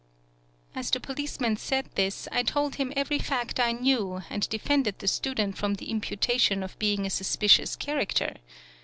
As the policeman said this, I told him every fact I knew, and defended the student from the imputation of being a suspicious character.